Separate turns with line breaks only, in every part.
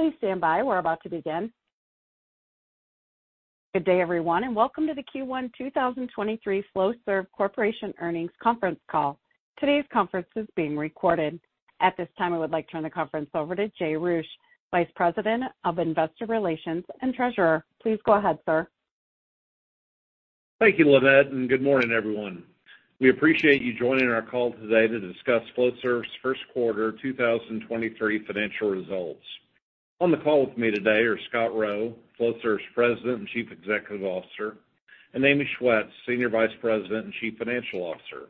Please stand by. We're about to begin. Good day, everyone, and welcome to the Q1 2023 Flowserve Corporation Earnings Conference Call. Today's conference is being recorded. At this time, I would like to turn the conference over to Jay Roueche, Vice President of Investor Relations and Treasurer. Please go ahead, sir.
Thank you, Linette, and good morning, everyone. We appreciate you joining our call today to discuss Flowserve's first quarter 2023 financial results. On the call with me today are Scott Rowe, Flowserve's President and Chief Executive Officer, and Amy Schwetz, Senior Vice President and Chief Financial Officer.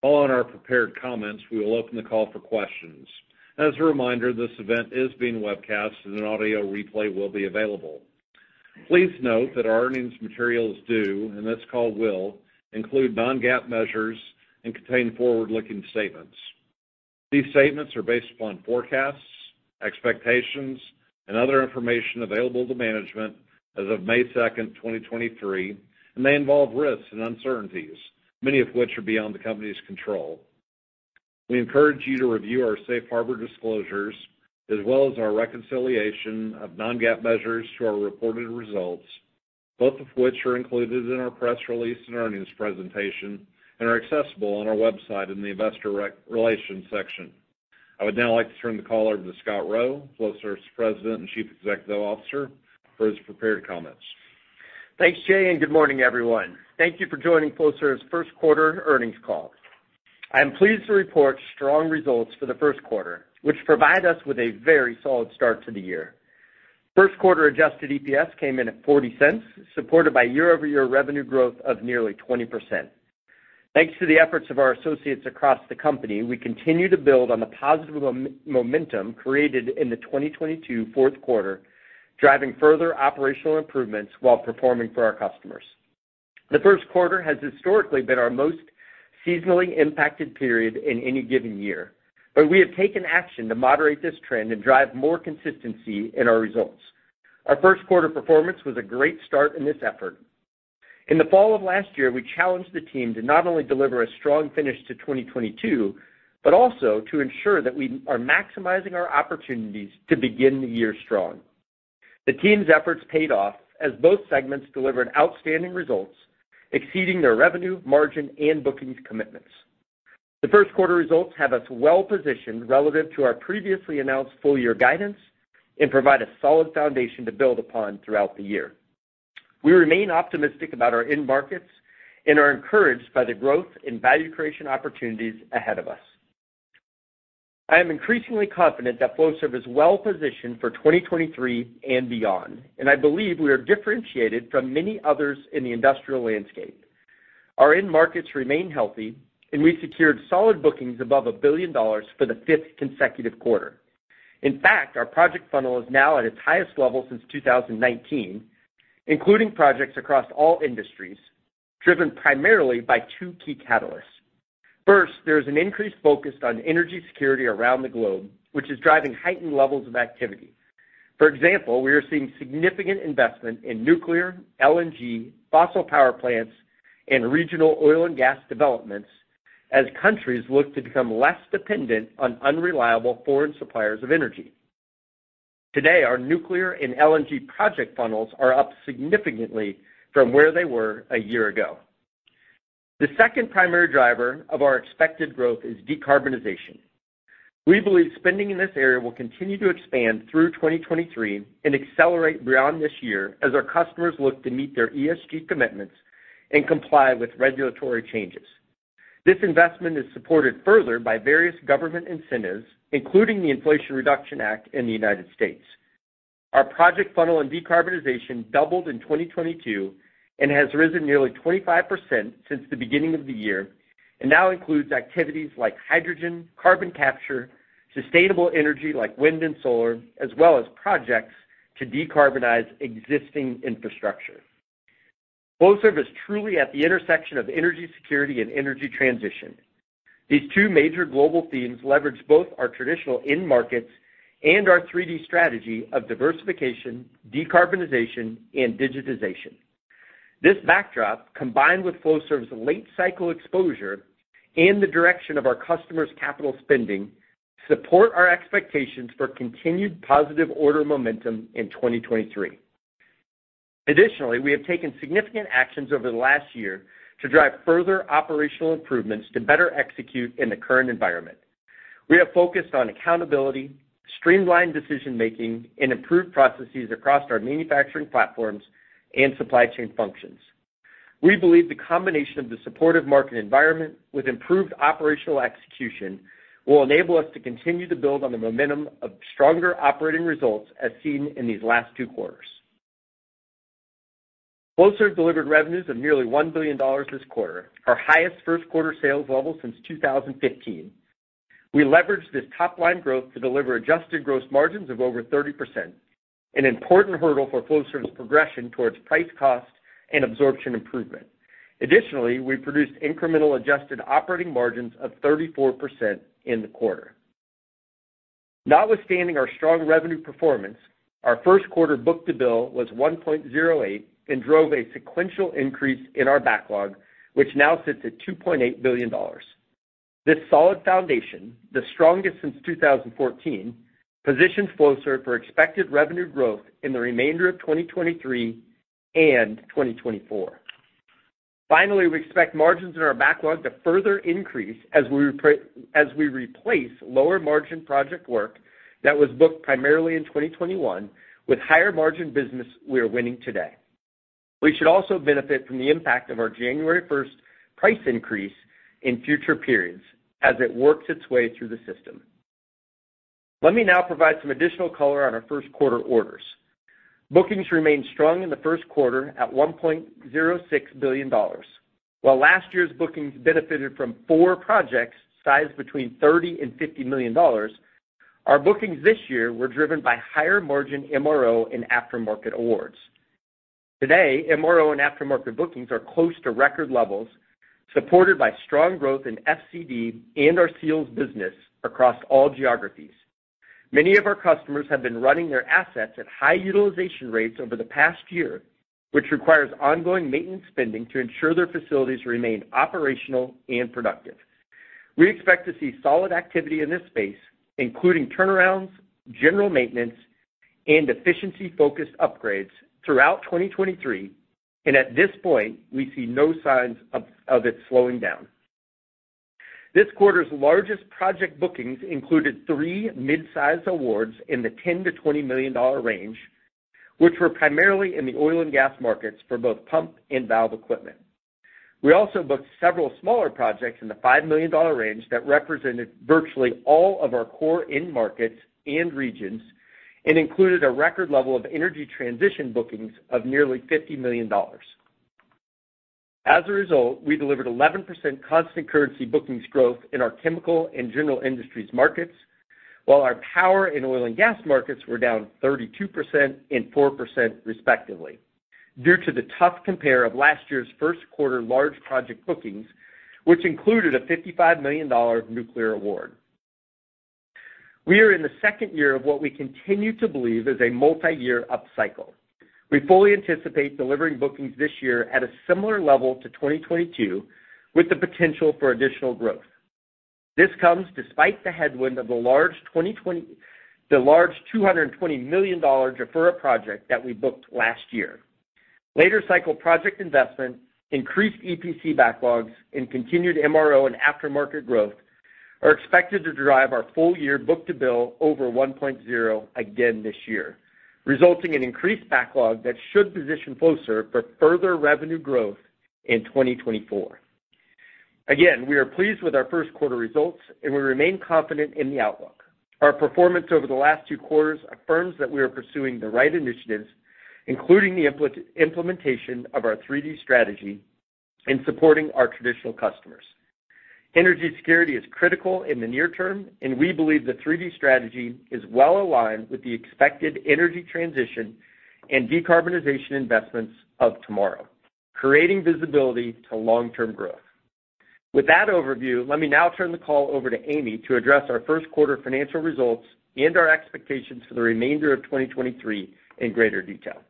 Following our prepared comments, we will open the call for questions. As a reminder, this event is being webcast and an audio replay will be available. Please note that our earnings materials do, and this call will, include non-GAAP measures and contain forward-looking statements. These statements are based upon forecasts, expectations, and other information available to management as of May 2, 2023, and may involve risks and uncertainties, many of which are beyond the company's control. We encourage you to review our safe harbor disclosures as well as our reconciliation of non-GAAP measures to our reported results, both of which are included in our press release and earnings presentation and are accessible on our website in the investor relations section. I would now like to turn the call over to Scott Rowe, Flowserve's President and Chief Executive Officer, for his prepared comments.
Thanks, Jay. Good morning, everyone. Thank you for joining Flowserve's first quarter earnings call. I am pleased to report strong results for the first quarter, which provide us with a very solid start to the year. First quarter Adjusted EPS came in at $0.40, supported by year-over-year revenue growth of nearly 20%. Thanks to the efforts of our associates across the company, we continue to build on the positive momentum created in the 2022 fourth quarter, driving further operational improvements while performing for our customers. The first quarter has historically been our most seasonally impacted period in any given year, but we have taken action to moderate this trend and drive more consistency in our results. Our first quarter performance was a great start in this effort. In the fall of last year, we challenged the team to not only deliver a strong finish to 2022, but also to ensure that we are maximizing our opportunities to begin the year strong. The team's efforts paid off as both segments delivered outstanding results, exceeding their revenue, margin, and bookings commitments. The first quarter results have us well-positioned relative to our previously announced full year guidance and provide a solid foundation to build upon throughout the year. We remain optimistic about our end markets and are encouraged by the growth in value creation opportunities ahead of us. I am increasingly confident that Flowserve is well-positioned for 2023 and beyond, and I believe we are differentiated from many others in the industrial landscape. Our end markets remain healthy, and we secured solid bookings above $1 billion for the fifth consecutive quarter. In fact, our project funnel is now at its highest level since 2019, including projects across all industries, driven primarily by two key catalysts. First, there is an increased focus on energy security around the globe, which is driving heightened levels of activity. For example, we are seeing significant investment in nuclear, LNG, fossil power plants, and regional oil and gas developments as countries look to become less dependent on unreliable foreign suppliers of energy. Today, our nuclear and LNG project funnels are up significantly from where they were a year ago. The second primary driver of our expected growth is decarbonization. We believe spending in this area will continue to expand through 2023 and accelerate beyond this year as our customers look to meet their ESG commitments and comply with regulatory changes. This investment is supported further by various government incentives, including the Inflation Reduction Act in the United States. Our project funnel in decarbonization doubled in 2022 and has risen nearly 25% since the beginning of the year and now includes activities like hydrogen, carbon capture, sustainable energy like wind and solar, as well as projects to decarbonize existing infrastructure. Flowserve is truly at the intersection of energy security and energy transition. These two major global themes leverage both our traditional end markets and our 3D strategy of diversification, decarbonization, and digitization. This backdrop, combined with Flowserve's late cycle exposure and the direction of our customers' capital spending, support our expectations for continued positive order momentum in 2023. Additionally, we have taken significant actions over the last year to drive further operational improvements to better execute in the current environment. We have focused on accountability, streamlined decision-making, and improved processes across our manufacturing platforms and supply chain functions. We believe the combination of the supportive market environment with improved operational execution will enable us to continue to build on the momentum of stronger operating results as seen in these last two quarters. Flowserve delivered revenues of nearly $1 billion this quarter, our highest first quarter sales level since 2015. We leveraged this top-line growth to deliver adjusted gross margins of over 30%, an important hurdle for Flowserve's progression towards price cost and absorption improvement. Additionally, we produced incremental adjusted operating margins of 34% in the quarter. Notwithstanding our strong revenue performance, our first quarter book-to-bill was 1.08 and drove a sequential increase in our backlog, which now sits at $2.8 billion. This solid foundation, the strongest since 2014, positions Flowserve for expected revenue growth in the remainder of 2023 and 2024. We expect margins in our backlog to further increase as we replace lower margin project work that was booked primarily in 2021 with higher margin business we are winning today. We should also benefit from the impact of our January 1st price increase in future periods as it works its way through the system. Let me now provide some additional color on our first quarter orders. Bookings remained strong in the first quarter at $1.06 billion. While last year's bookings benefited from 4 projects sized between $30 million and $50 million, our bookings this year were driven by higher margin MRO and aftermarket awards. Today, MRO and aftermarket bookings are close to record levels, supported by strong growth in FCD and our seals business across all geographies. Many of our customers have been running their assets at high utilization rates over the past year, which requires ongoing maintenance spending to ensure their facilities remain operational and productive. We expect to see solid activity in this space, including turnarounds, general maintenance, and efficiency-focused upgrades throughout 2023, and at this point, we see no signs of it slowing down. This quarter's largest project bookings included 3 mid-sized awards in the $10 million-20 million range, which were primarily in the oil and gas markets for both pump and valve equipment. We also booked several smaller projects in the $5 million range that represented virtually all of our core end markets and regions, included a record level of energy transition bookings of nearly $50 million. As a result, we delivered 11% constant currency bookings growth in our chemical and general industries markets, while our power and oil and gas markets were down 32% and 4% respectively, due to the tough compare of last year's first quarter large project bookings, which included a $55 million nuclear award. We are in the second year of what we continue to believe is a multi-year upcycle. We fully anticipate delivering bookings this year at a similar level to 2022, with the potential for additional growth. This comes despite the headwind of the large $220 million deferral project that we booked last year. Later cycle project investment, increased EPC backlogs, and continued MRO and aftermarket growth are expected to drive our full year book-to-bill over 1.0 again this year, resulting in increased backlog that should position Flowserve for further revenue growth in 2024. Again, we are pleased with our first quarter results, and we remain confident in the outlook. Our performance over the last two quarters affirms that we are pursuing the right initiatives, including the implementation of our 3D strategy in supporting our traditional customers. Energy security is critical in the near term, and we believe the 3D strategy is well aligned with the expected energy transition and decarbonization investments of tomorrow, creating visibility to long-term growth. With that overview, let me now turn the call over to Amy to address our first quarter financial results and our expectations for the remainder of 2023 in greater detail.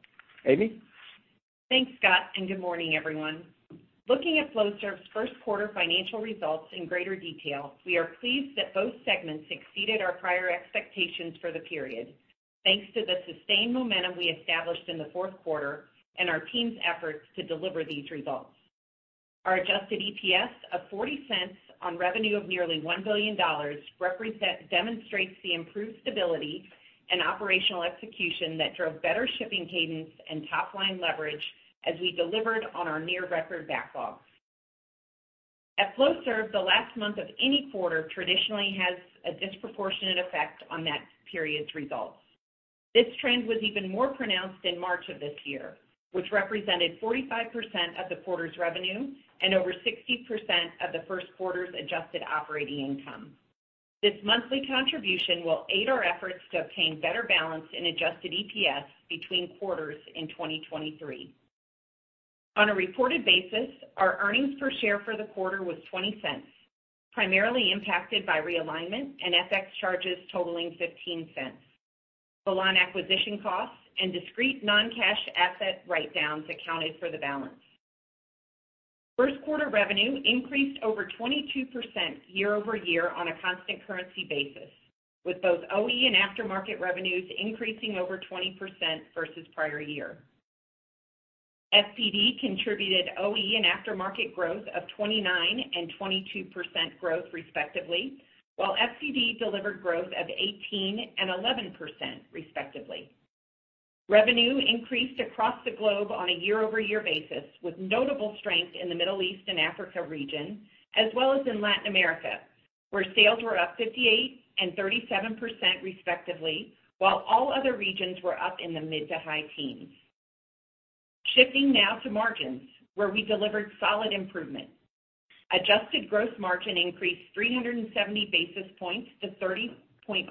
Amy?
Thanks, Scott. Good morning, everyone. Looking at Flowserve's first quarter financial results in greater detail, we are pleased that both segments exceeded our prior expectations for the period. Thanks to the sustained momentum we established in the fourth quarter and our team's efforts to deliver these results. Our Adjusted EPS of $0.40 on revenue of nearly $1 billion demonstrates the improved stability and operational execution that drove better shipping cadence and top-line leverage as we delivered on our near record backlogs. At Flowserve, the last month of any quarter traditionally has a disproportionate effect on that period's results. This trend was even more pronounced in March of this year, which represented 45% of the quarter's revenue and over 60% of the first quarter's adjusted operating income. This monthly contribution will aid our efforts to obtain better balance in Adjusted EPS between quarters in 2023. On a reported basis, our earnings per share for the quarter was $0.20, primarily impacted by realignment and FX charges totaling $0.15. Velan acquisition costs and discrete non-cash asset write-downs accounted for the balance. First quarter revenue increased over 22% year-over-year on a constant currency basis, with both OE and aftermarket revenues increasing over 20% versus prior year. FPD contributed OE and aftermarket growth of 29% and 22% growth, respectively, while FCD delivered growth of 18% and 11%, respectively. Revenue increased across the globe on a year-over-year basis, with notable strength in the Middle East and Africa region, as well as in Latin America, where sales were up 58% and 37% respectively, while all other regions were up in the mid to high teens. Shifting now to margins, where we delivered solid improvement. Adjusted gross margin increased 370 basis points to 30.4%,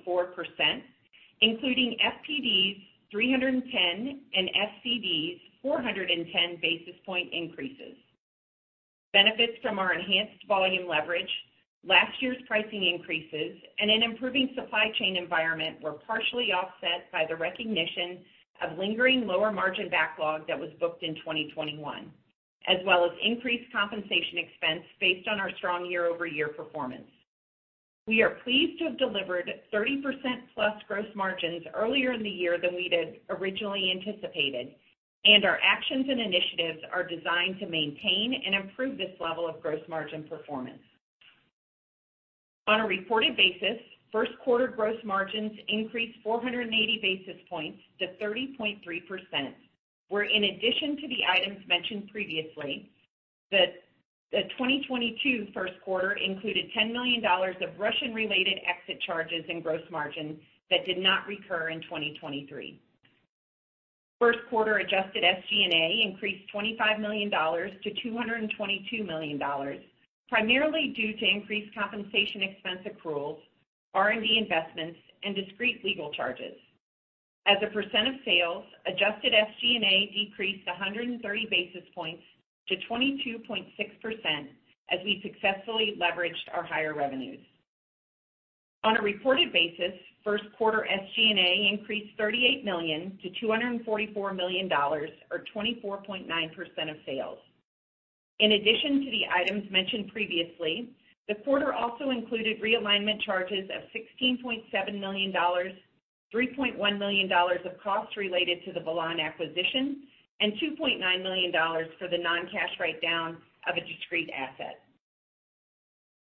including FPD's 310, and FCD's 410 basis point increases. Benefits from our enhanced volume leverage, last year's pricing increases, and an improving supply chain environment were partially offset by the recognition of lingering lower margin backlog that was booked in 2021, as well as increased compensation expense based on our strong year-over-year performance. We are pleased to have delivered 30% plus gross margins earlier in the year than we had originally anticipated. Our actions and initiatives are designed to maintain and improve this level of gross margin performance. On a reported basis, first quarter gross margins increased 480 basis points to 30.3%, where in addition to the items mentioned previously, the 2022 first quarter included $10 million of Russian-related exit charges in gross margin that did not recur in 2023. First quarter adjusted SG&A increased $25 million-222 million, primarily due to increased compensation expense accruals, R&D investments, and discrete legal charges. As a percent of sales, adjusted SG&A decreased 130 basis points to 22.6% as we successfully leveraged our higher revenues. On a reported basis, first quarter SG&A increased $38 million-244 million or 24.9% of sales. In addition to the items mentioned previously, the quarter also included realignment charges of $16.7 million, $3.1 million of costs related to the Velan acquisition, and $2.9 million for the non-cash write-down of a discrete asset.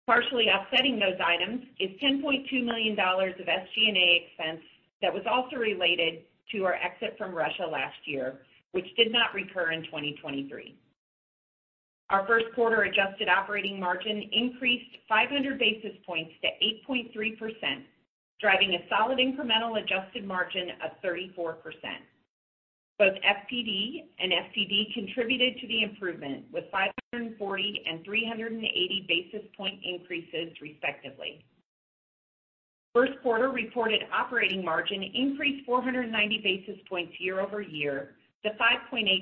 Partially offsetting those items is $10.2 million of SG&A expense that was also related to our exit from Russia last year, which did not recur in 2023. Our first quarter adjusted operating margin increased 500 basis points to 8.3%, driving a solid incremental adjusted margin of 34%. Both FPD and FCD contributed to the improvement, with 540 and 380 basis point increases, respectively. First quarter reported operating margin increased 490 basis points year-over-year to 5.8%,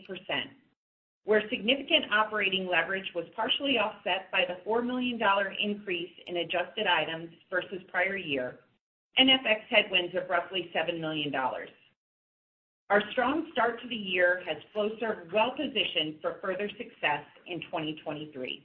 where significant operating leverage was partially offset by the $4 million increase in adjusted items versus prior year and FX headwinds of roughly $7 million. Our strong start to the year has Flowserve well-positioned for further success in 2023.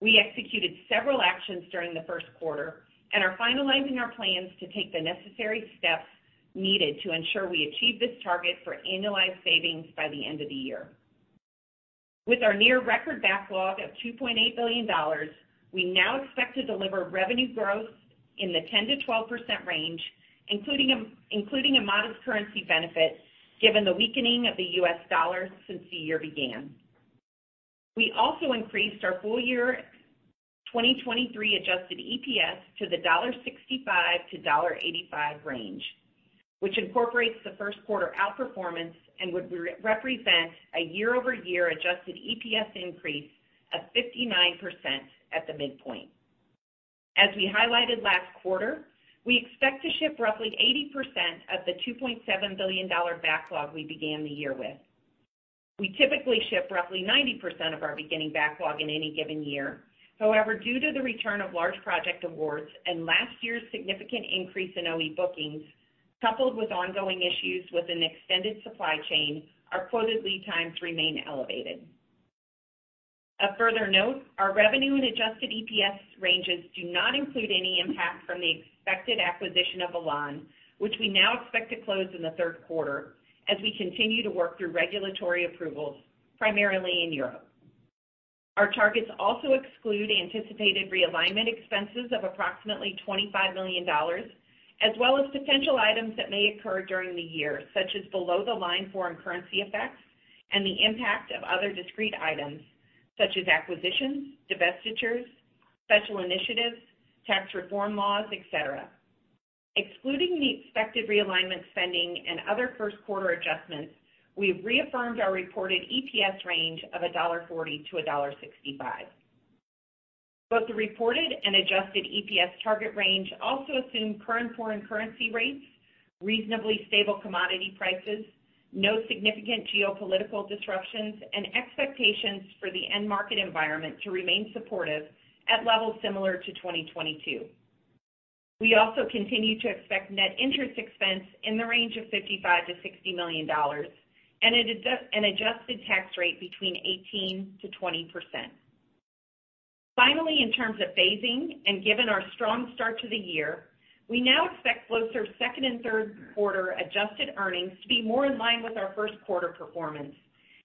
We also increased our full year 2023 Adjusted EPS to the $1.65-1.85 range, which incorporates the first quarter outperformance and would re-represent a year-over-year Adjusted EPS increase of 59% at the midpoint. As we highlighted last quarter, we expect to ship roughly 80% of the $2.7 billion backlog we began the year with. We typically ship roughly 90% of our beginning backlog in any given year. However, due to the return of large project awards and last year's significant increase in OE bookings, coupled with ongoing issues within the extended supply chain, our quoted lead times remain elevated. A further note, our revenue and Adjusted EPS ranges do not include any impact from the expected acquisition of Velan, which we now expect to close in the third quarter as we continue to work through regulatory approvals, primarily in Europe. Our targets also exclude anticipated realignment expenses of approximately $25 million, as well as potential items that may occur during the year, such as below-the-line foreign currency effects and the impact of other discrete items, such as acquisitions, divestitures, special initiatives, tax reform laws, et cetera. Excluding the expected realignment spending and other first quarter adjustments, we have reaffirmed our reported EPS range of $1.40-1.65. Both the reported and Adjusted EPS target range also assume current foreign currency rates, reasonably stable commodity prices, no significant geopolitical disruptions, and expectations for the end market environment to remain supportive at levels similar to 2022. We also continue to expect net interest expense in the range of $55 million-60 million and an adjusted tax rate between 18-20%. Finally, in terms of phasing and given our strong start to the year, we now expect Flowserve's second and third quarter adjusted earnings to be more in line with our first quarter performance,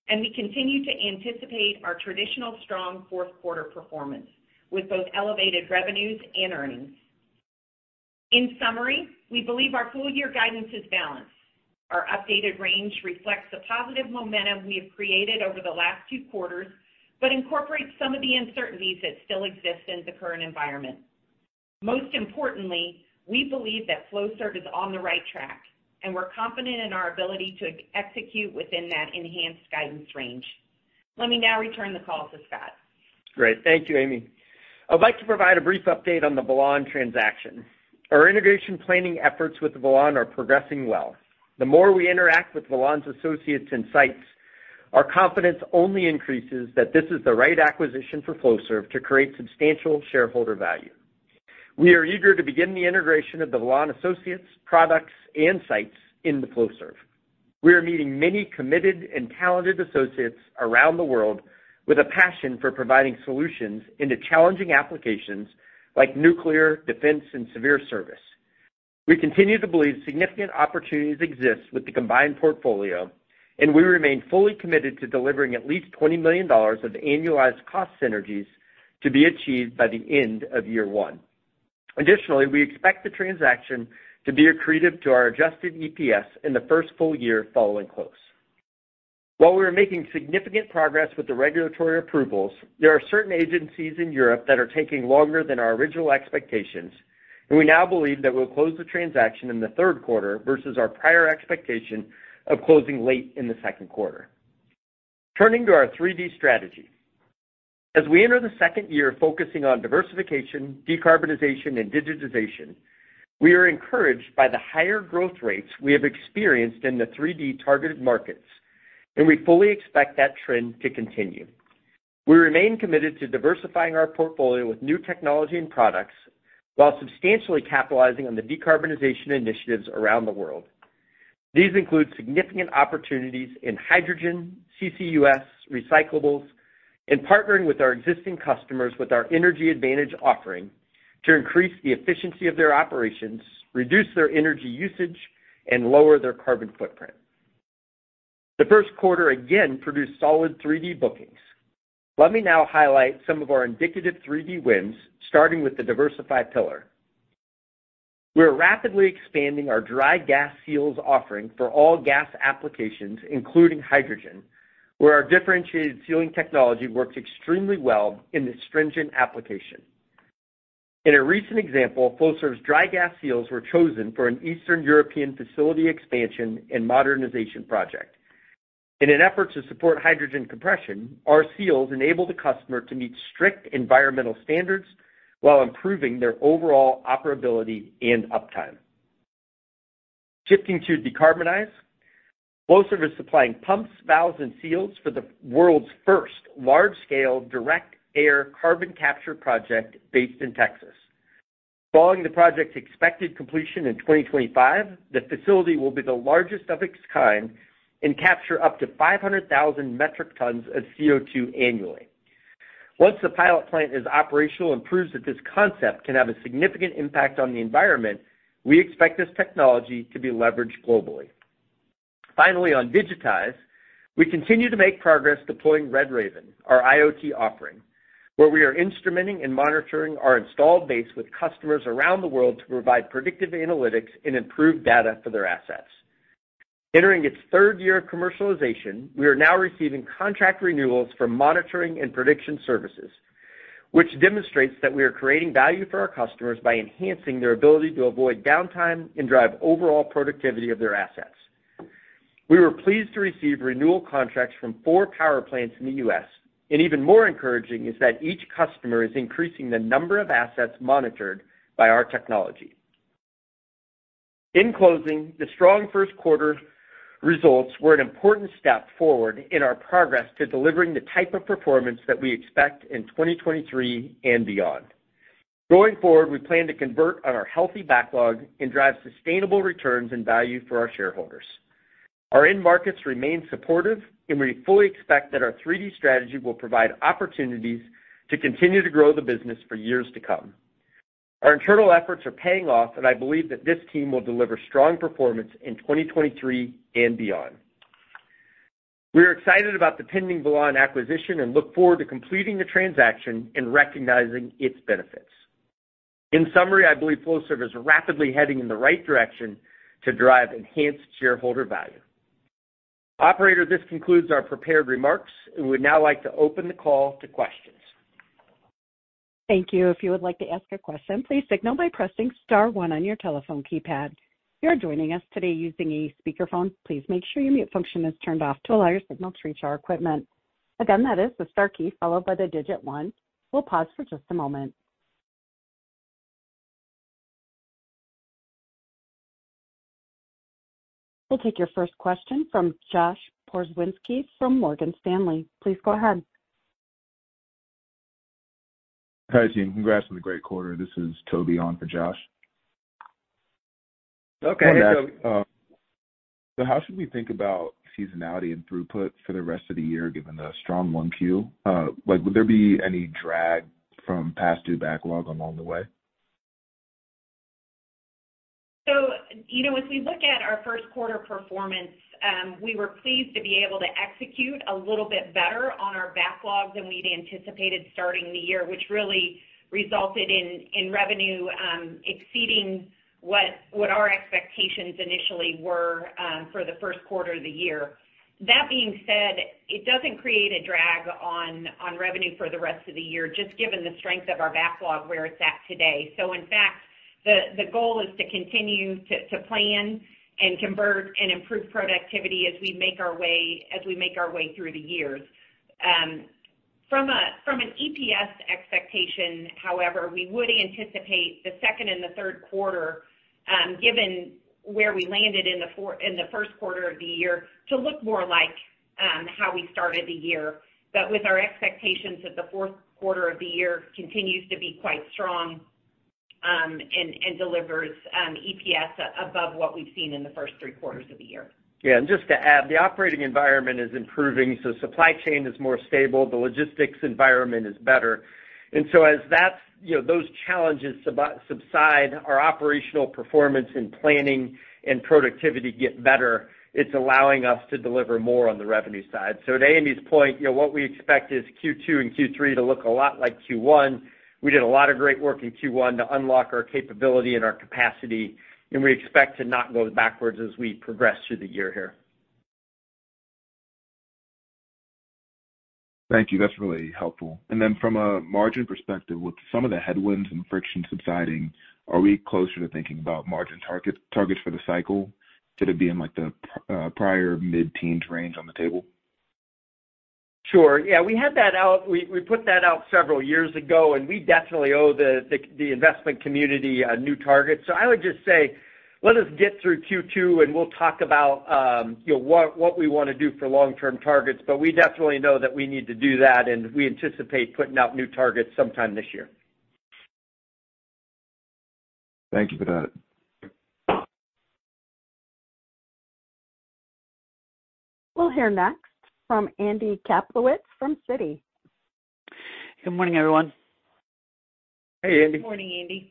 and we continue to anticipate our traditional strong fourth quarter performance with both elevated revenues and earnings. In summary, we believe our full year guidance is balanced. Our updated range reflects the positive momentum we have created over the last two quarters, but incorporates some of the uncertainties that still exist in the current environment. Most importantly, we believe that Flowserve is on the right track, and we're confident in our ability to ex-execute within that enhanced guidance range. Let me now return the call to Scott.
Great. Thank you, Amy. I would like to provide a brief update on the Velan transaction. Our integration planning efforts with Velan are progressing well. The more we interact with Velan's associates and sites, our confidence only increases that this is the right acquisition for Flowserve to create substantial shareholder value. We are eager to begin the integration of the Velan associates, products, and sites into Flowserve. We are meeting many committed and talented associates around the world with a passion for providing solutions into challenging applications like nuclear, defense, and severe service. We continue to believe significant opportunities exist with the combined portfolio, and we remain fully committed to delivering at least $20 million of annualized cost synergies to be achieved by the end of year one. Additionally, we expect the transaction to be accretive to our Adjusted EPS in the first full year following close. While we are making significant progress with the regulatory approvals, there are certain agencies in Europe that are taking longer than our original expectations, and we now believe that we'll close the transaction in the third quarter versus our prior expectation of closing late in the second quarter. Turning to our 3D strategy. As we enter the second year focusing on diversification, decarbonization, and digitization, we are encouraged by the higher growth rates we have experienced in the 3D targeted markets. We fully expect that trend to continue. We remain committed to diversifying our portfolio with new technology and products while substantially capitalizing on the decarbonization initiatives around the world. These include significant opportunities in hydrogen, CCUS, recyclables, and partnering with our existing customers with our Energy Advantage offering to increase the efficiency of their operations, reduce their energy usage, and lower their carbon footprint. The first quarter, again, produced solid 3D bookings. Let me now highlight some of our indicative 3D wins, starting with the diversified pillar. We are rapidly expanding our dry gas seals offering for all gas applications, including hydrogen, where our differentiated sealing technology works extremely well in this stringent application. In a recent example, Flowserve's dry gas seals were chosen for an Eastern European facility expansion and modernization project. In an effort to support hydrogen compression, our seals enable the customer to meet strict environmental standards while improving their overall operability and uptime. Shifting to decarbonize, Flowserve is supplying pumps, valves, and seals for the world's first large-scale direct air capture project based in Texas. Following the project's expected completion in 2025, the facility will be the largest of its kind and capture up to 500,000 metric tons of CO2 annually. Once the pilot plant is operational and proves that this concept can have a significant impact on the environment, we expect this technology to be leveraged globally. On digitize, we continue to make progress deploying RedRaven, our IoT offering, where we are instrumenting and monitoring our installed base with customers around the world to provide predictive analytics and improve data for their assets. Entering its 3rd year of commercialization, we are now receiving contract renewals for monitoring and prediction services, which demonstrates that we are creating value for our customers by enhancing their ability to avoid downtime and drive overall productivity of their assets. We were pleased to receive renewal contracts from 4 power plants in the U.S., and even more encouraging is that each customer is increasing the number of assets monitored by our technology. In closing, the strong first quarter results were an important step forward in our progress to delivering the type of performance that we expect in 2023 and beyond. Going forward, we plan to convert on our healthy backlog and drive sustainable returns and value for our shareholders. Our end markets remain supportive, and we fully expect that our 3D strategy will provide opportunities to continue to grow the business for years to come. Our internal efforts are paying off, and I believe that this team will deliver strong performance in 2023 and beyond. We are excited about the pending Velan acquisition and look forward to completing the transaction and recognizing its benefits. In summary, I believe Flowserve is rapidly heading in the right direction to drive enhanced shareholder value. Operator, this concludes our prepared remarks and we'd now like to open the call to questions.
Thank you. If you would like to ask a question, please signal by pressing star one on your telephone keypad. If you are joining us today using a speakerphone, please make sure your mute function is turned off to allow your signal to reach our equipment. Again, that is the star key followed by the digit one. We'll pause for just a moment. We'll take your first question from Josh Pokrzywinski from Morgan Stanley. Please go ahead.
Hi team. Congrats on the great quarter. This is Toby on for Josh.
Okay.
How should we think about seasonality and throughput for the rest of the year, given the strong 1 Q? like would there be any drag from past due backlog along the way?
You know, as we look at our first quarter performance, we were pleased to be able to execute a little bit better on our backlogs than we'd anticipated starting the year, which really resulted in revenue exceeding what our expectations initially were for the first quarter of the year. That being said, it doesn't create a drag on revenue for the rest of the year, just given the strength of our backlog where it's at today. In fact, the goal is to continue to plan and convert and improve productivity as we make our way through the years. From a, from an EPS expectation, however, we would anticipate the second and the third quarter, given where we landed in the first quarter of the year to look more like how we started the year. With our expectations that the fourth quarter of the year continues to be quite strong, and delivers EPS above what we've seen in the first three quarters of the year.
Yeah. Just to add, the operating environment is improving, so supply chain is more stable, the logistics environment is better. As that's, you know, those challenges subside, our operational performance in planning and productivity get better. It's allowing us to deliver more on the revenue side. To Amy's point, you know what we expect is Q2 and Q3 to look a lot like Q1. We did a lot of great work in Q1 to unlock our capability and our capacity, and we expect to not go backwards as we progress through the year here.
Thank you. That's really helpful. From a margin perspective, with some of the headwinds and friction subsiding, are we closer to thinking about margin targets for the cycle? Could it be in like the prior mid-teens range on the table?
Sure. Yeah, we had that out. We put that out several years ago, and we definitely owe the investment community new targets. I would just say, let us get through Q2, and we'll talk about, you know, what we wanna do for long-term targets. We definitely know that we need to do that, and we anticipate putting out new targets sometime this year.
Thank you for that.
We'll hear next from Andy Kaplowitz from Citi.
Good morning, everyone.
Hey, Andy.
Good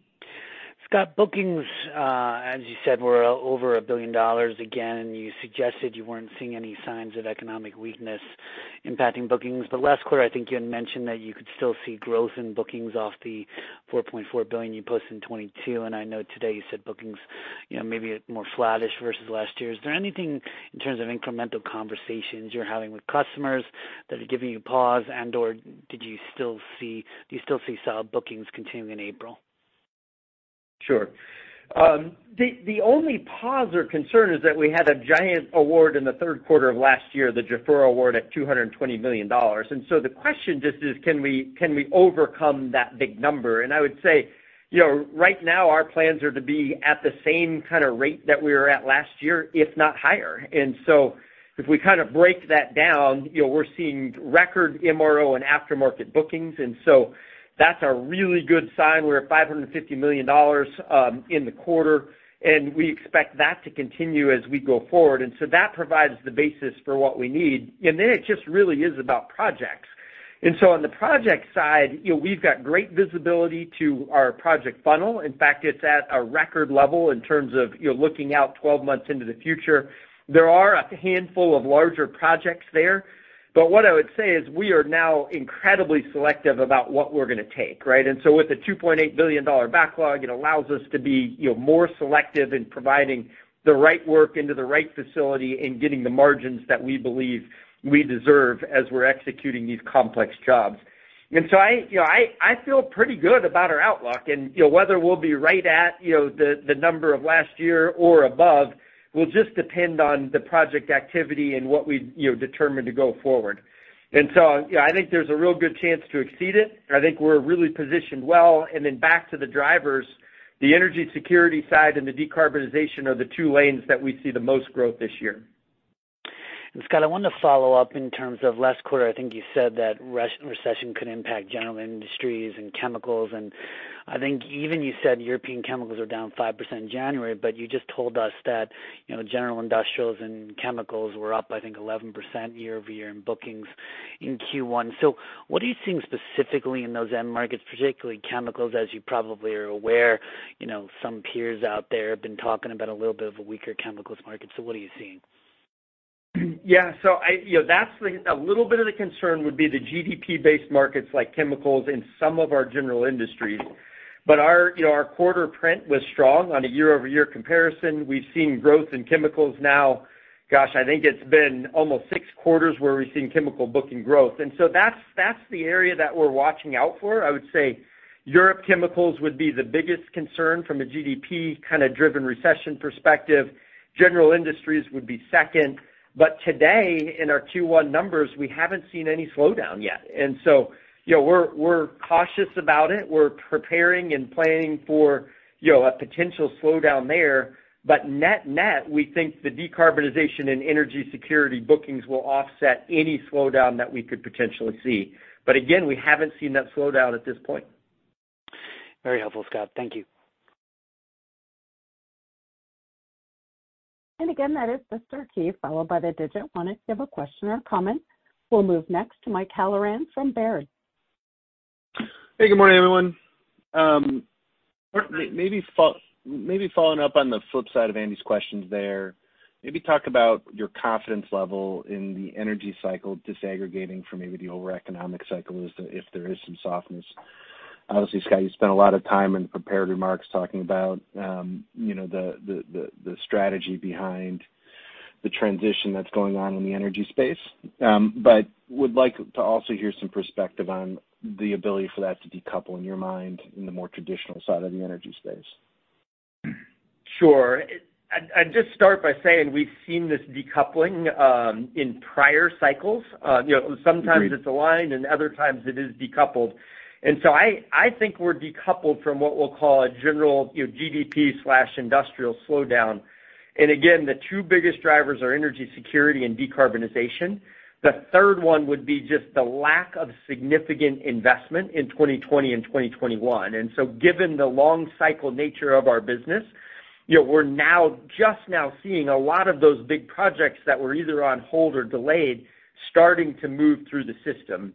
morning, Andy.
Scott, bookings, as you said, were over $1 billion. Again, you suggested you weren't seeing any signs of economic weakness impacting bookings. Last quarter, I think you had mentioned that you could still see growth in bookings off the $4.4 billion you posted in 2022. I know today you said bookings, you know, may be more flattish versus last year. Is there anything in terms of incremental conversations you're having with customers that are giving you pause and/or do you still see solid bookings continuing in April?
Sure. The only pause or concern is that we had a giant award in the third quarter of last year, the Jafurah award at $220 million. The question just is can we overcome that big number? I would say, you know, right now our plans are to be at the same kinda rate that we were at last year, if not higher. If we kinda break that down, you know, we're seeing record MRO and aftermarket bookings, and so that's a really good sign. We're at $550 million in the quarter, and we expect that to continue as we go forward. That provides the basis for what we need. It just really is about projects. On the project side, you know, we've got great visibility to our project funnel. In fact, it's at a record level in terms of, you know, looking out 12 months into the future. There are a handful of larger projects there. What I would say is we are now incredibly selective about what we're gonna take, right? With the $2.8 billion backlog, it allows us to be, you know, more selective in providing the right work into the right facility and getting the margins that we believe we deserve as we're executing these complex jobs. I, you know, I feel pretty good about our outlook. You know, whether we'll be right at, you know, the number of last year or above will just depend on the project activity and what we, you know, determine to go forward. You know, I think there's a real good chance to exceed it, and I think we're really positioned well. Back to the drivers, the energy security side and the decarbonization are the two lanes that we see the most growth this year.
Scott, I wanted to follow up in terms of last quarter, I think you said that res-recession could impact general industries and chemicals, and I think even you said European chemicals are down 5% in January. You just told us that, you know, general industrials and chemicals were up, I think, 11% year-over-year in bookings in Q1. What are you seeing specifically in those end markets, particularly chemicals, as you probably are aware, you know, some peers out there have been talking about a little bit of a weaker chemicals market, so what are you seeing?
I, you know, that's the little bit of the concern would be the GDP-based markets like chemicals and some of our general industries. Our, you know, our quarter print was strong on a year-over-year comparison. We've seen growth in chemicals now, gosh, I think it's been almost six quarters where we've seen chemical booking growth. That's the area that we're watching out for. I would say Europe chemicals would be the biggest concern from a GDP kind of driven recession perspective. General industries would be second. Today, in our Q1 numbers, we haven't seen any slowdown yet. You know, we're cautious about it. We're preparing and planning for, you know, a potential slowdown there. Net-net, we think the decarbonization and energy security bookings will offset any slowdown that we could potentially see. Again, we haven't seen that slowdown at this point.
Very helpful, Scott. Thank you.
Again, that is the star key followed by the digit one if you have a question or comment. We'll move next to Mike Halloran from Baird.
Hey, good morning, everyone. Maybe following up on the flip side of Andy's questions there. Maybe talk about your confidence level in the energy cycle disaggregating from maybe the overall economic cycle as to if there is some softness. Obviously, Scott, you spent a lot of time in prepared remarks talking about, you know, the strategy behind the transition that's going on in the energy space. Would like to also hear some perspective on the ability for that to decouple in your mind in the more traditional side of the energy space.
Sure. I'd just start by saying we've seen this decoupling in prior cycles. You know, sometimes it's aligned and other times it is decoupled. I think we're decoupled from what we'll call a general, you know, GDP/industrial slowdown. Again, the two biggest drivers are energy security and decarbonization. The third one would be just the lack of significant investment in 2020 and 2021. Given the long cycle nature of our business, you know, we're now, just now seeing a lot of those big projects that were either on hold or delayed starting to move through the system.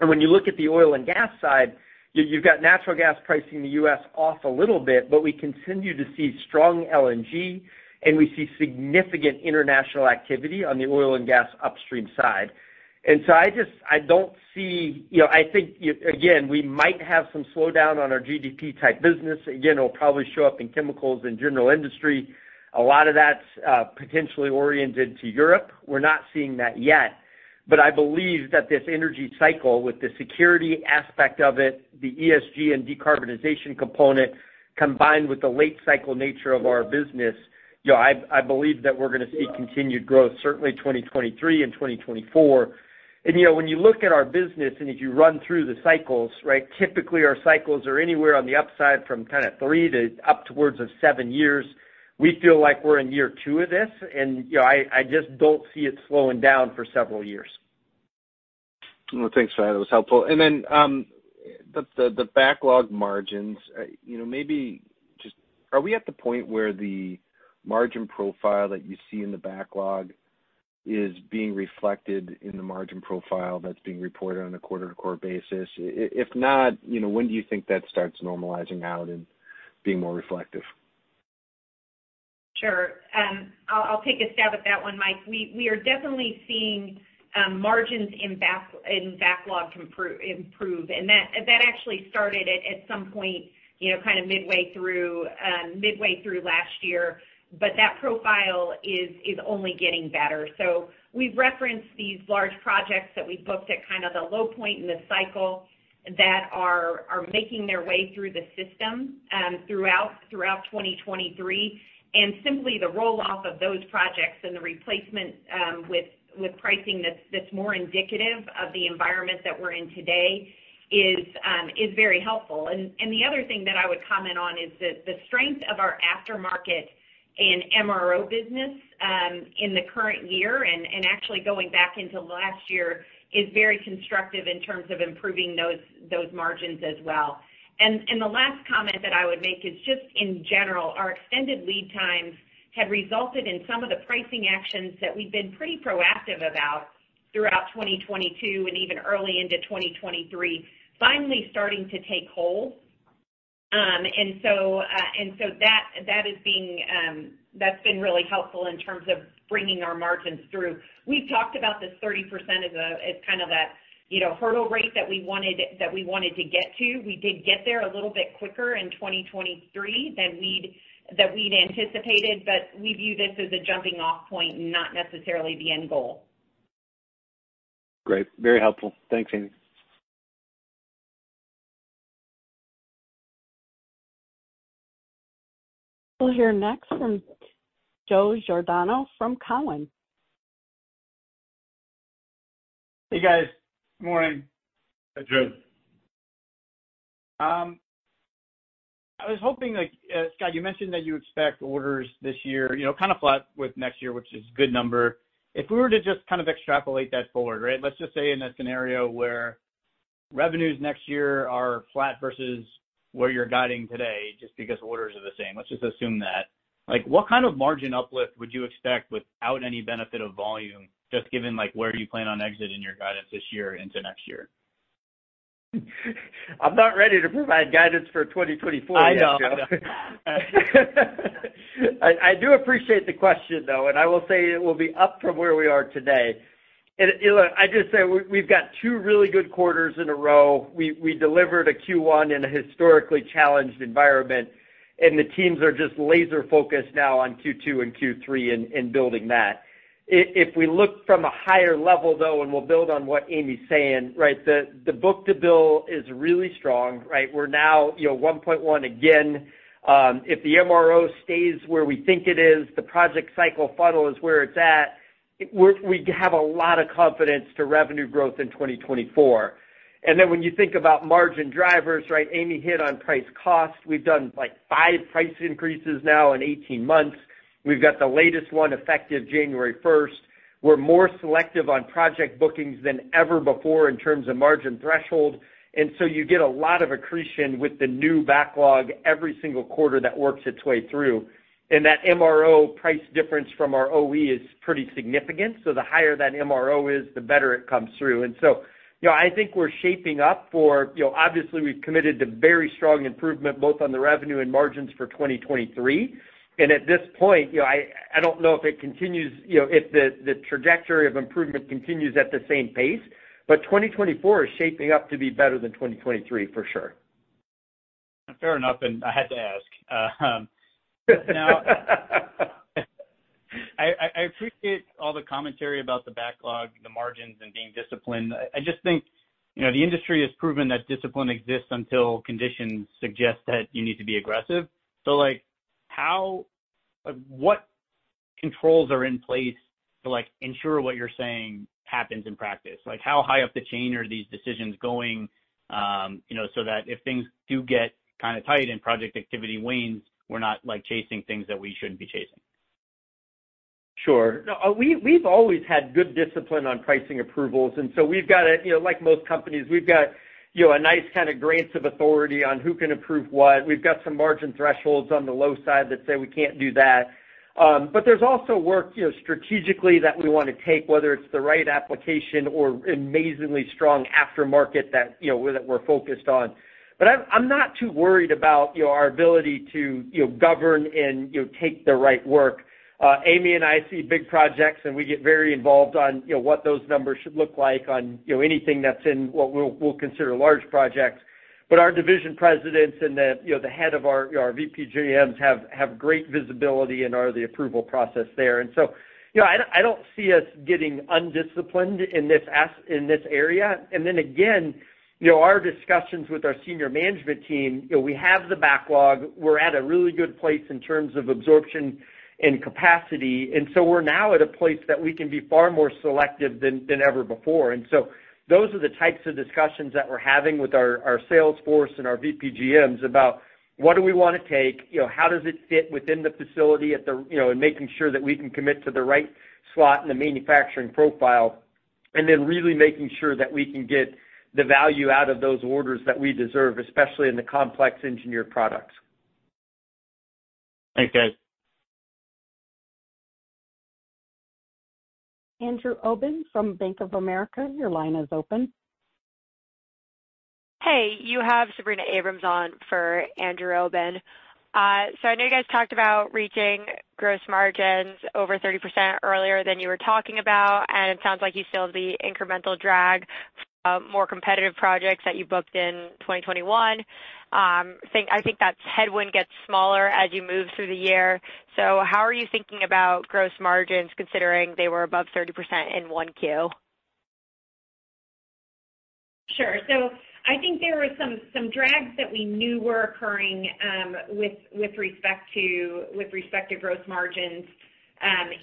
When you look at the oil and gas side, you've got natural gas pricing in the US off a little bit, but we continue to see strong LNG, and we see significant international activity on the oil and gas upstream side. I don't see, you know, I think, again, we might have some slowdown on our GDP type business. It'll probably show up in chemicals and general industry. A lot of that's potentially oriented to Europe. We're not seeing that yet. I believe that this energy cycle with the security aspect of it, the ESG and decarbonization component, combined with the late cycle nature of our business, you know, I believe that we're gonna see continued growth, certainly 2023 and 2024. You know, when you look at our business and as you run through the cycles, right, typically our cycles are anywhere on the upside from kinda three to up towards of seven years. We feel like we're in year two of this and, you know, I just don't see it slowing down for several years.
Well, thanks for that. It was helpful. The backlog margins, you know, maybe just are we at the point where the margin profile that you see in the backlog is being reflected in the margin profile that's being reported on a quarter-to-quarter basis? If not, you know, when do you think that starts normalizing out and being more reflective?
Sure. I'll take a stab at that one, Mike. We are definitely seeing margins in backlog improve, and that actually started at some point, you know, kinda midway through last year. That profile is only getting better. We've referenced these large projects that we booked at kind of the low point in the cycle that are making their way through the system throughout 2023. Simply the roll-off of those projects and the replacement with pricing that's more indicative of the environment that we're in today is very helpful. The other thing that I would comment on is that the strength of our aftermarket and MRO business, in the current year and actually going back into last year is very constructive in terms of improving those margins as well. The last comment that I would make is just in general, our extended lead times have resulted in some of the pricing actions that we've been pretty proactive about throughout 2022 and even early into 2023, finally starting to take hold. That is being, that's been really helpful in terms of bringing our margins through. We've talked about this 30% as kind of that, you know, hurdle rate that we wanted to get to. We did get there a little bit quicker in 2023 than we'd anticipated, but we view this as a jumping off point, not necessarily the end goal.
Great. Very helpful. Thanks, Amy.
We'll hear next from Joe Giordano from Cowen.
Hey, guys. Morning.
Hi, Joe.
I was hoping, like, Scott, you mentioned that you expect orders this year, you know, kind of flat with next year, which is good number. If we were to just kind of extrapolate that forward, right? Let's just say in a scenario where revenues next year are flat versus where you're guiding today, just because orders are the same. Let's just assume that. Like, what kind of margin uplift would you expect without any benefit of volume, just given, like, where you plan on exiting your guidance this year into next year?
I'm not ready to provide guidance for 2024 yet, Joe.
I know.
I do appreciate the question, though. I will say it will be up from where we are today. You know, look, I just say we've got two really good quarters in a row. We delivered a Q1 in a historically challenged environment. The teams are just laser focused now on Q2 and Q3 in building that. If we look from a higher level, though, we'll build on what Amy Schwetz's saying, right? The book-to-bill is really strong, right? We're now, you know, 1.1 again. If the MRO stays where we think it is, the project cycle funnel is where it's at, we have a lot of confidence to revenue growth in 2024. When you think about margin drivers, right, Amy Schwetz hit on price cost. We've done, like, 5 price increases now in 18 months. We've got the latest one effective January 1st. We're more selective on project bookings than ever before in terms of margin threshold. You get a lot of accretion with the new backlog every single quarter that works its way through. That MRO price difference from our OE is pretty significant. The higher that MRO is, the better it comes through. You know, I think we're shaping up for, you know, obviously, we've committed to very strong improvement both on the revenue and margins for 2023. At this point, you know, I don't know if it continues, you know, if the trajectory of improvement continues at the same pace, but 2024 is shaping up to be better than 2023 for sure.
Fair enough. I had to ask. I appreciate all the commentary about the backlog, the margins and being disciplined. I just think, you know, the industry has proven that discipline exists until conditions suggest that you need to be aggressive. Like, what controls are in place to, like, ensure what you're saying happens in practice? Like, how high up the chain are these decisions going, you know, so that if things do get kind of tight and project activity wanes, we're not, like, chasing things that we shouldn't be chasing?
Sure. No, we've always had good discipline on pricing approvals, we've got a, you know, like most companies, we've got, you know, a nice kind of grants of authority on who can approve what. We've got some margin thresholds on the low side that say we can't do that. There's also work, you know, strategically that we wanna take, whether it's the right application or amazingly strong aftermarket that, you know, that we're focused on. I'm not too worried about, you know, our ability to, you know, govern and, you know, take the right work. Amy and I see big projects, and we get very involved on, you know, what those numbers should look like on, you know, anything that's in what we'll consider large projects. Our division presidents and the, you know, the head of our VP/GMs have great visibility and are the approval process there. You know, I don't see us getting undisciplined in this area. Again, you know, our discussions with our senior management team, you know, we have the backlog. We're at a really good place in terms of absorption and capacity. We're now at a place that we can be far more selective than ever before. Those are the types of discussions that we're having with our sales force and our VP/GMs about what do we wanna take? You know, how does it fit within the facility, you know, and making sure that we can commit to the right slot in the manufacturing profile, and then really making sure that we can get the value out of those orders that we deserve, especially in the complex engineered products.
Thanks, guys.
Andrew Obin from Bank of America, your line is open.
Hey, you have Sabrina Abrams on for Andrew Obin. I know you guys talked about reaching gross margins over 30% earlier than you were talking about, and it sounds like you still have the incremental drag of more competitive projects that you booked in 2021. I think that headwind gets smaller as you move through the year. How are you thinking about gross margins considering they were above 30% in 1Q?
Sure. I think there were some drags that we knew were occurring, with respect to, with respect to gross margins,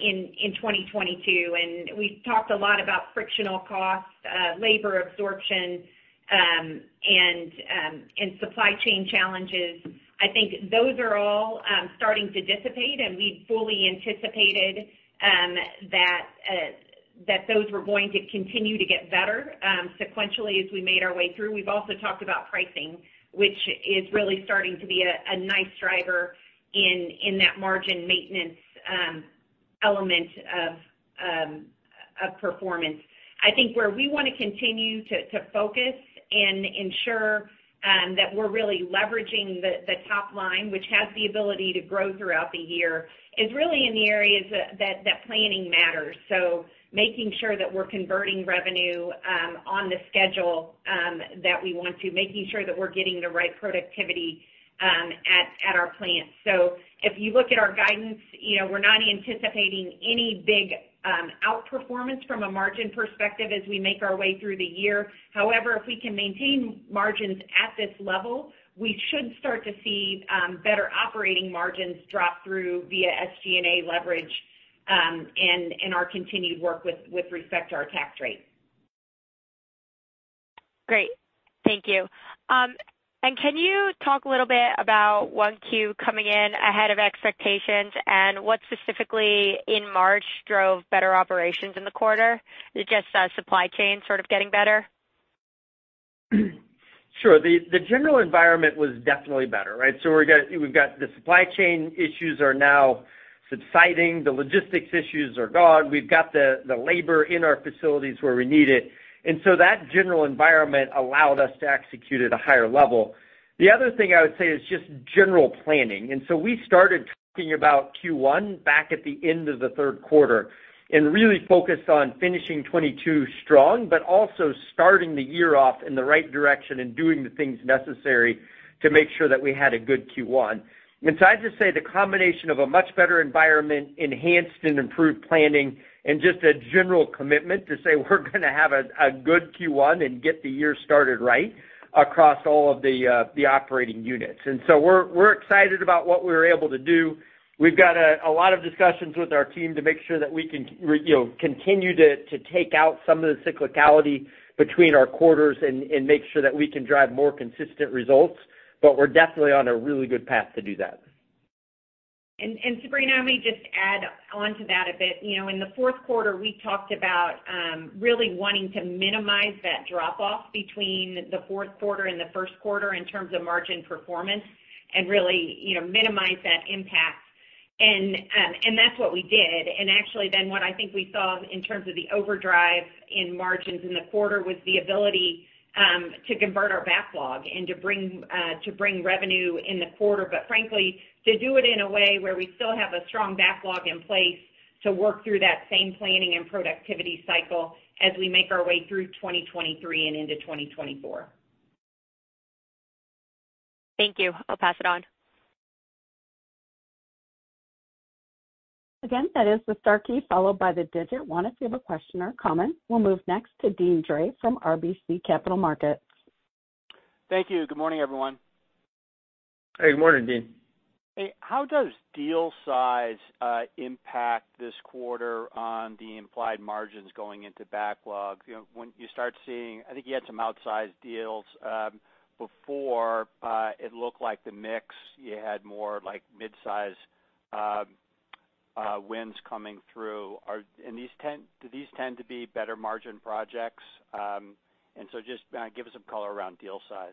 in 2022. We talked a lot about frictional costs, labor absorption, and supply chain challenges. I think those are all starting to dissipate, and we fully anticipated that those were going to continue to get better, sequentially as we made our way through. We've also talked about pricing, which is really starting to be a nice driver in that margin maintenance, Element of performance. I think where we want to continue to focus and ensure that we're really leveraging the top line, which has the ability to grow throughout the year, is really in the areas that planning matters. Making sure that we're converting revenue, on the schedule, that we want to. Making sure that we're getting the right productivity at our plants. If you look at our guidance, you know, we're not anticipating any big, outperformance from a margin perspective as we make our way through the year. However, if we can maintain margins at this level, we should start to see, better operating margins drop through via SG&A leverage and our continued work with respect to our tax rate.
Great. Thank you. Can you talk a little bit about 1Q coming in ahead of expectations and what specifically in March drove better operations in the quarter? Is it just, supply chain sort of getting better?
Sure. The general environment was definitely better, right? We've got the supply chain issues are now subsiding, the logistics issues are gone. We've got the labor in our facilities where we need it. That general environment allowed us to execute at a higher level. The other thing I would say is just general planning. We started talking about Q1 back at the end of the third quarter and really focused on finishing 22 strong, but also starting the year off in the right direction and doing the things necessary to make sure that we had a good Q1. I'd just say the combination of a much better environment, enhanced and improved planning and just a general commitment to say we're gonna have a good Q1 and get the year started right across all of the operating units. We're excited about what we were able to do. We've got a lot of discussions with our team to make sure that we can you know, continue to take out some of the cyclicality between our quarters and make sure that we can drive more consistent results. We're definitely on a really good path to do that.
Sabrina, let me just add onto that a bit. You know, in the fourth quarter, we talked about, really wanting to minimize that drop off between the fourth quarter and the first quarter in terms of margin performance and really, you know, minimize that impact. That's what we did. Actually then what I think we saw in terms of the overdrive in margins in the quarter was the ability, to convert our backlog and to bring, to bring revenue in the quarter. Frankly, to do it in a way where we still have a strong backlog in place to work through that same planning and productivity cycle as we make our way through 2023 and into 2024.
Thank you. I'll pass it on.
Again, that is the star key followed by the digit 1 if you have a question or comment. We'll move next to Deane Dray from RBC Capital Markets.
Thank you. Good morning, everyone.
Hey, good morning, Deane.
Hey, how does deal size impact this quarter on the implied margins going into backlog? You know, when you start seeing... I think you had some outsized deals before, it looked like the mix, you had more like mid-size wins coming through. Do these tend to be better margin projects? So just give us some color around deal size.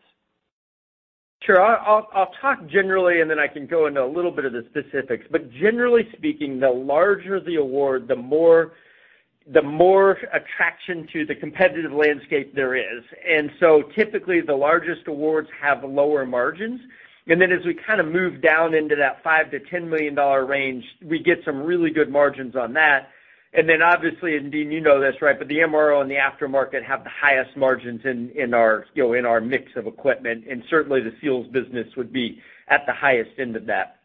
Sure. I'll talk generally, then I can go into a little bit of the specifics. Generally speaking, the larger the award, the more attraction to the competitive landscape there is. Typically the largest awards have lower margins. Then as we kind of move down into that $5 million-10 million range, we get some really good margins on that. Obviously, and Deane, you know this, right, but the MRO and the aftermarket have the highest margins in our, you know, in our mix of equipment, and certainly the seals business would be at the highest end of that.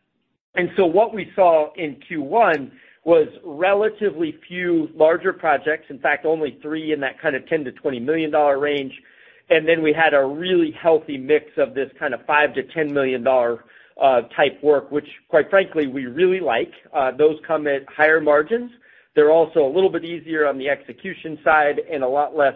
What we saw in Q1 was relatively few larger projects. In fact, only three in that kind of $10 million-20 million range. Then we had a really healthy mix of this kind of $5 million-10 million type work, which quite frankly, we really like. Those come at higher margins. They're also a little bit easier on the execution side and a lot less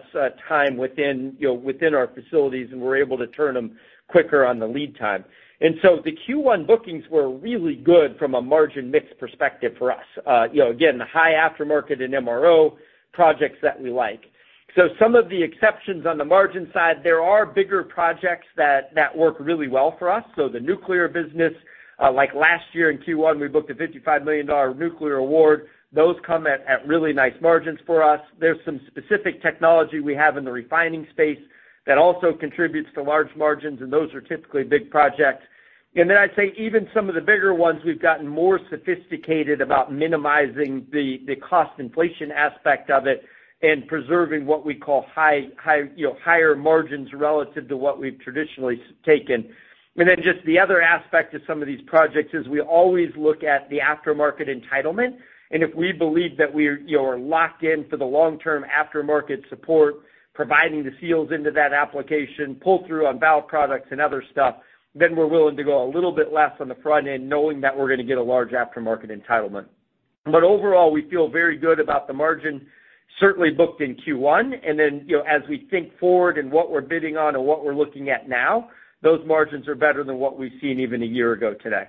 time within, you know, within our facilities, and we're able to turn them quicker on the lead time. The Q1 bookings were really good from a margin mix perspective for us. You know, again, the high aftermarket and MRO projects that work really well for us. The nuclear business, like last year in Q1, we booked a $55 million nuclear award. Those come at really nice margins for us. There's some specific technology we have in the refining space that also contributes to large margins. Those are typically big projects. I'd say even some of the bigger ones, we've gotten more sophisticated about minimizing the cost inflation aspect of it and preserving what we call high, you know, higher margins relative to what we've traditionally taken. Just the other aspect of some of these projects is we always look at the aftermarket entitlement. If we believe that, you know, are locked in for the long-term aftermarket support, providing the seals into that application, pull through on valve products and other stuff, then we're willing to go a little bit less on the front end knowing that we're gonna get a large aftermarket entitlement. Overall, we feel very good about the margin certainly booked in Q1. You know, as we think forward and what we're bidding on and what we're looking at now, those margins are better than what we've seen even one year ago today.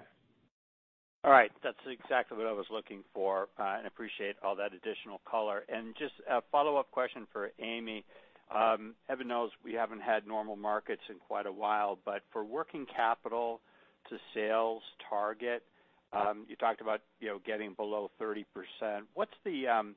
All right. That's exactly what I was looking for, and appreciate all that additional color. Just a follow-up question for Amy. Heaven knows we haven't had normal markets in quite a while, but for working capital to sales target, you talked about, you know, getting below 30%. What's the, you know,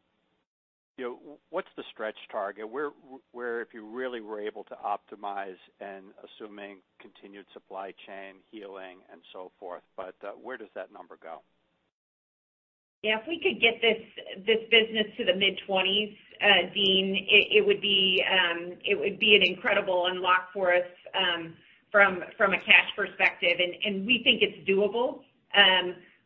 what's the stretch target? Where if you really were able to optimize and assuming continued supply chain healing and so forth, but, where does that number go?
Yeah, if we could get this business to the mid-20s, Dean, it would be an incredible unlock for us from a cash perspective. We think it's doable.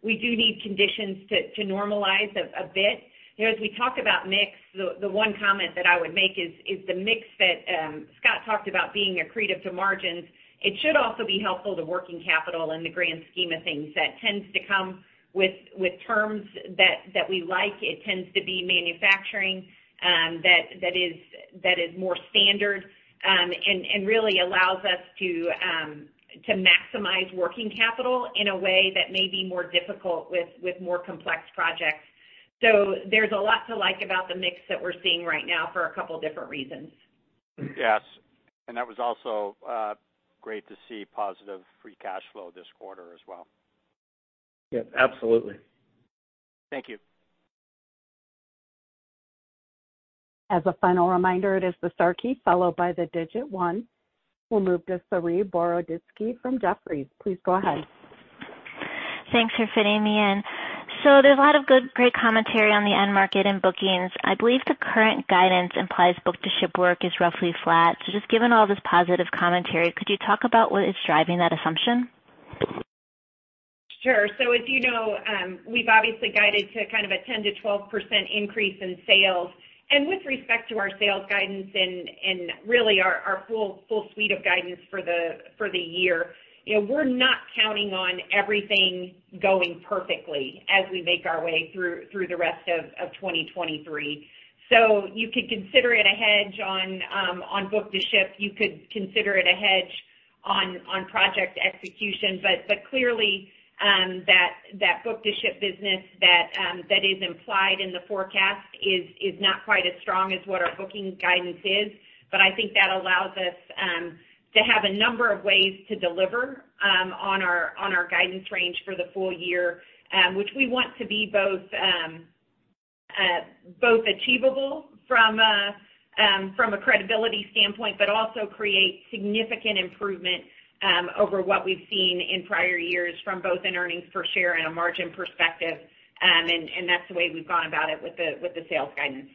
We do need conditions to normalize a bit. You know, as we talk about mix, the one comment that I would make is the mix that Scott talked about being accretive to margins. It should also be helpful to working capital in the grand scheme of things that tends to come with terms that we like. It tends to be manufacturing that is more standard and really allows us to maximize working capital in a way that may be more difficult with more complex projects. There's a lot to like about the mix that we're seeing right now for a couple different reasons.
Yes. That was also, great to see positive free cash flow this quarter as well.
Yes, absolutely.
Thank you.
As a final reminder, it is the star key, followed by the digit one. We'll move to Saree Boroditsky from Jefferies. Please go ahead.
Thanks for fitting me in. There's a lot of good, great commentary on the end market and bookings. I believe the current guidance implies book-to-ship work is roughly flat. Just given all this positive commentary, could you talk about what is driving that assumption?
As you know, we've obviously guided to kind of a 10-12% increase in sales. With respect to our sales guidance and really our full suite of guidance for the year, you know, we're not counting on everything going perfectly as we make our way through the rest of 2023. You could consider it a hedge on book-to-ship. You could consider it a hedge on project execution. Clearly, that book-to-ship business that is implied in the forecast is not quite as strong as what our booking guidance is. I think that allows us to have a number of ways to deliver on our guidance range for the full year, which we want to be both achievable from a credibility standpoint, but also create significant improvement over what we've seen in prior years from both an earnings per share and a margin perspective. That's the way we've gone about it with the sales guidance.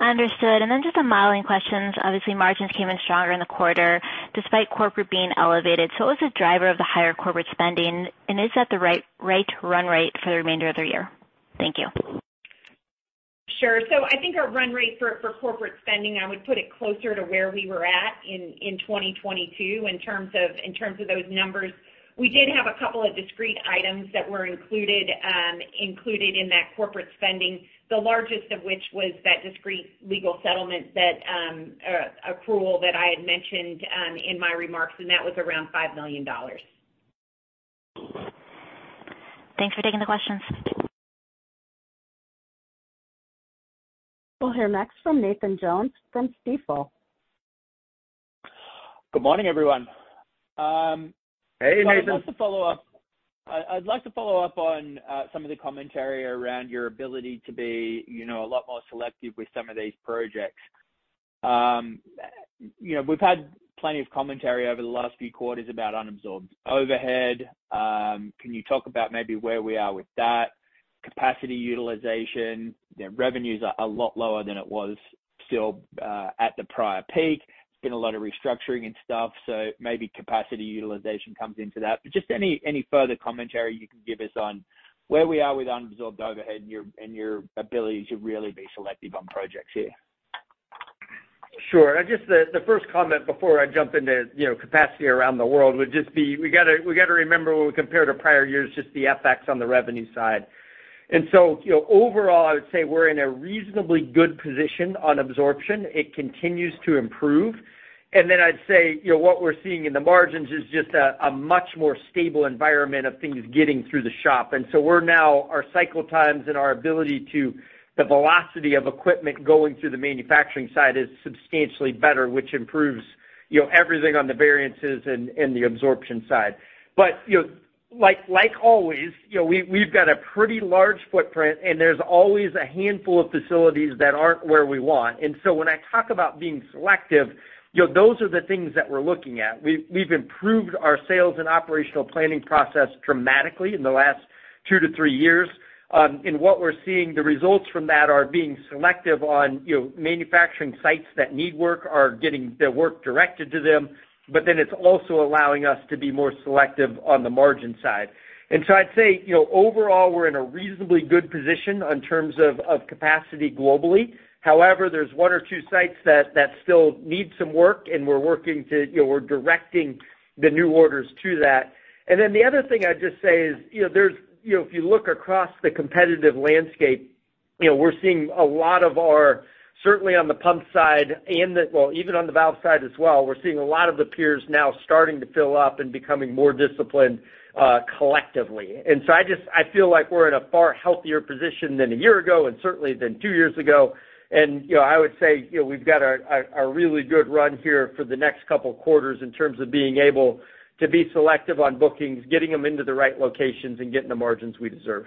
Understood. Then just some modeling questions. Obviously, margins came in stronger in the quarter despite corporate being elevated. What was the driver of the higher corporate spending, and is that the right rate to run rate for the remainder of the year? Thank you.
Sure. I think our run rate for corporate spending, I would put it closer to where we were at in 2022 in terms of those numbers. We did have a couple of discrete items that were included in that corporate spending, the largest of which was that discrete legal settlement that accrual that I had mentioned in my remarks, and that was around $5 million.
Thanks for taking the questions.
We'll hear next from Nathan Jones from Stifel.
Good morning, everyone.
Hey, Nathan.
I'd like to follow up on some of the commentary around your ability to be, you know, a lot more selective with some of these projects. you know, we've had plenty of commentary over the last few quarters about unabsorbed overhead. Can you talk about maybe where we are with that? Capacity utilization, the revenues are a lot lower than it was still at the prior peak. It's been a lot of restructuring and stuff, so maybe capacity utilization comes into that. Just any further commentary you can give us on where we are with unabsorbed overhead and your ability to really be selective on projects here.
Sure. I just, the first comment before I jump into, you know, capacity around the world would just be, we gotta remember when we compare to prior years, just the FX on the revenue side. You know, overall I would say we're in a reasonably good position on absorption. It continues to improve. I'd say, you know, what we're seeing in the margins is just a much more stable environment of things getting through the shop. We're now, our cycle times and our ability to the velocity of equipment going through the manufacturing side is substantially better, which improves, you know, everything on the variances and the absorption side. You know, like always, you know, we've got a pretty large footprint and there's always a handful of facilities that aren't where we want. When I talk about being selective, you know, those are the things that we're looking at. We've improved our sales and operational planning process dramatically in the last 2 to 3 years. What we're seeing the results from that are being selective on, you know, manufacturing sites that need work are getting the work directed to them, it's also allowing us to be more selective on the margin side. I'd say, you know, overall, we're in a reasonably good position in terms of capacity globally. However, there's one or two sites that still need some work and we're working to, we're directing the new orders to that. The other thing I'd just say is, you know, there's, if you look across the competitive landscape, you know, we're seeing a lot of our... Certainly on the pump side and the, well, even on the valve side as well, we're seeing a lot of the peers now starting to fill up and becoming more disciplined, collectively. I just, I feel like we're in a far healthier position than one year ago and certainly than two years ago. You know, I would say, you know, we've got a really good run here for the next couple quarters in terms of being able to be selective on bookings, getting them into the right locations, and getting the margins we deserve.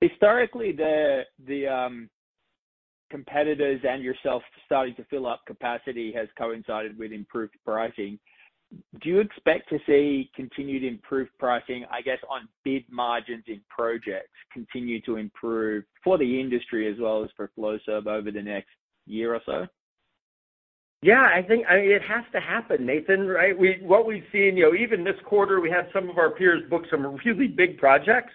Historically, the competitors and yourself starting to fill up capacity has coincided with improved pricing. Do you expect to see continued improved pricing, I guess, on bid margins in projects continue to improve for the industry as well as for Flowserve over the next year or so?
Yeah, I think, I mean, it has to happen, Nathan, right? We, what we've seen, you know, even this quarter, we had some of our peers book some really big projects,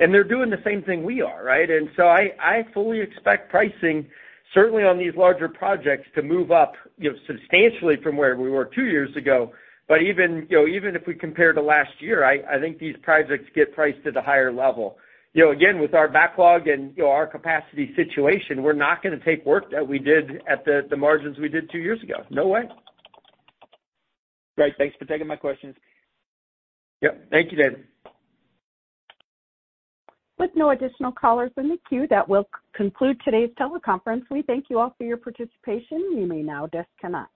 and they're doing the same thing we are, right? I fully expect pricing certainly on these larger projects to move up, you know, substantially from where we were 2 years ago. Even, you know, even if we compare to last year, I think these projects get priced at a higher level. You know, again, with our backlog and, you know, our capacity situation, we're not gonna take work that we did at the margins we did 2 years ago. No way.
Great. Thanks for taking my questions.
Yep. Thank you, Nathan.
With no additional callers in the queue, that will conclude today's teleconference. We thank you all for your participation. You may now disconnect.